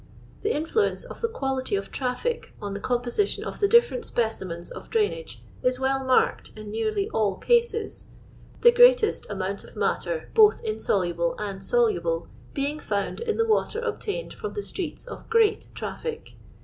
" The influence of the quality of traffic on the composition of the different specimens of drainage is well marked in nearly all cases ; the greatest amount of matter both insoluble and soluble being found in the water obtained from the streets of great traffic.